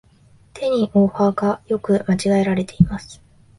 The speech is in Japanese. てにをはが、よく間違えられています。